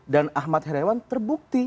dan ahmad ibrahim terbukti